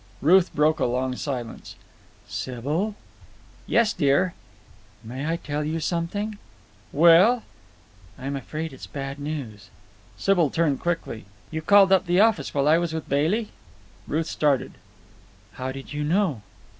Ruth broke a long silence. "Sybil!" "Yes, dear?" "May I tell you something?" "Well?" "I'm afraid it's bad news." Sybil turned quickly. "You called up the office while I was with Bailey?" Ruth started. "How did you know?"